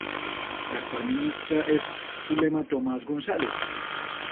La actual ministra es Zulema Tomás Gonzáles.